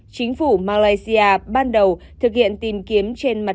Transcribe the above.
chính phủ malaysia ban đầu thực hiện tìm kiếm trên mặt